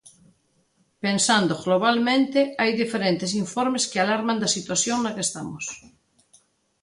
Pensando globalmente, hai diferentes informes que alarman da situación na que estamos.